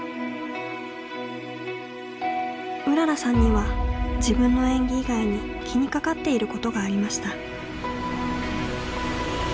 うららさんには自分の演技以外に気にかかっていることがありました。